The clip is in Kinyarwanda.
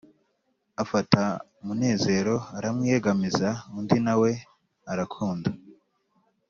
afata munezero aramwiyegamiza undi na we arakunda